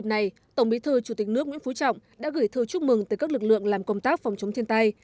nên dịp này tổng bí thư chủ tịch nước nguyễn phú trọng đã gửi thư chúc mừng tới các lực lượng làm công tác phòng chống thiên tai